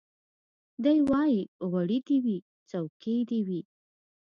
دی وايي غوړي دي وي څوکۍ دي وي